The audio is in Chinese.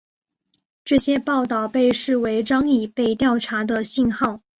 这些报道被视为张已被调查的信号。